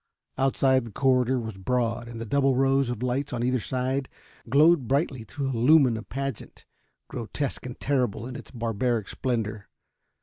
Outside, the corridor was broad, and the double rows of lights on either side glowed brightly to illumine a pageant grotesque and terrible in its barbaric splendor.